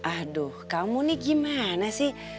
aduh kamu nih gimana sih